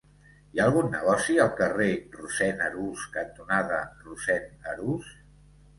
Hi ha algun negoci al carrer Rossend Arús cantonada Rossend Arús?